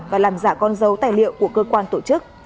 và làm giả con dấu tài liệu của cơ quan tổ chức